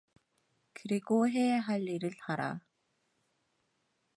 그리고 해야 할 일을 하라.